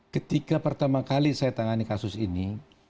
ketika pertama kali saya tangani kasus ini